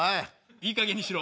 いいかげんにしろ。